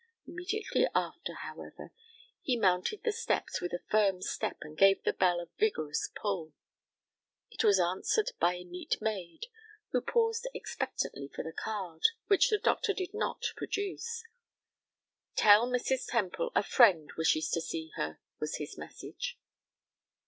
Immediately after, however, he mounted the steps with a firm step and gave the bell a vigorous pull. It was answered by a neat maid, who paused expectantly for the card, which the doctor did not produce. "Tell Mrs. Temple a friend wishes to see her," was his message.